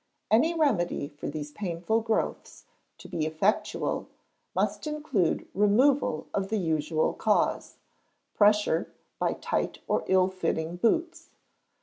Any remedy for these painful growths, to be effectual, must include removal of the usual cause pressure by tight or ill fitting boots.